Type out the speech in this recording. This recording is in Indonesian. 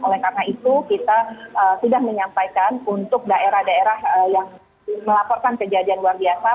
oleh karena itu kita sudah menyampaikan untuk daerah daerah yang melaporkan kejadian luar biasa